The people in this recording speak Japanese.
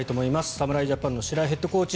侍ジャパンの白井ヘッドコーチ